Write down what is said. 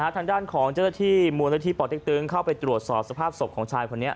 ทางด้านของเจ้าหน้าที่มูลนิธิป่อเต็กตึงเข้าไปตรวจสอบสภาพศพของชายคนนี้